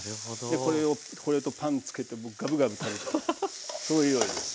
これをこれとパンつけてもうガブガブ食べちゃうそういう料理です。